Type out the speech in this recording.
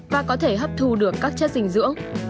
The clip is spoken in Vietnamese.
và có thể hấp thu được các chất dinh dưỡng